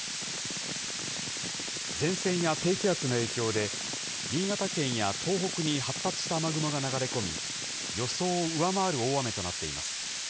前線や低気圧の影響で、新潟県や東北に発達した雨雲が流れ込み、予想を上回る大雨となっています。